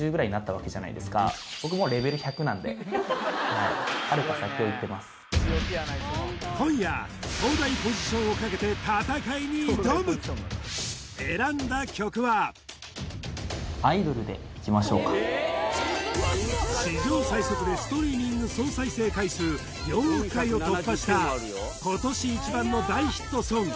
まあして河野とありますから今夜東大ポジションをかけて戦いに挑む史上最速でストリーミング総再生回数４億回を突破した今年一番の大ヒットソング